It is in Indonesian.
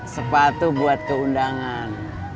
sepatu buat keundangan